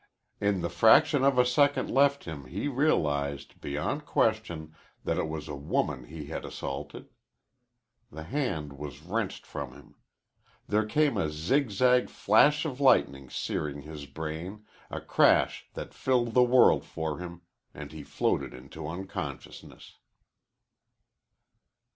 In the fraction of a second left him he realized, beyond question, that it was a woman he had assaulted. The hand was wrenched from him. There came a zigzag flash of lightning searing his brain, a crash that filled the world for him and he floated into unconsciousness.